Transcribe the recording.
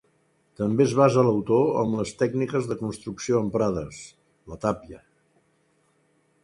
També es basa l'autor en les tècniques de construcció emprades, la tàpia.